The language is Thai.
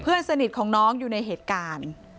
เพื่อนสนิทของน้องอยู่ในเหตุการณ์